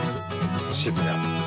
渋谷。